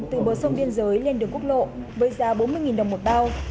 từ bờ sông biên giới lên đường quốc lộ với giá bốn mươi đồng một bao